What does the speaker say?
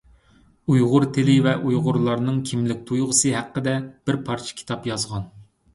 ئۇيغۇر تىلى ۋە ئۇيغۇرلارنىڭ كىملىك تۇيغۇسى ھەققىدە بىر پارچە كىتاب يازغان.